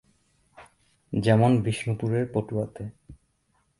যেমন বিষ্ণুপুরের পটুয়াতে।